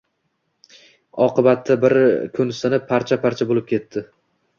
Oqibatda bir kun sinib, parcha-parcha bo‘lib ketdi.